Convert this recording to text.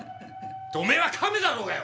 おめえは亀だろうがよ！